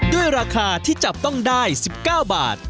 ด้วยราคาที่จับต้องได้๑๙บาท